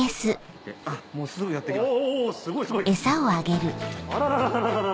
もうすぐ寄ってきます。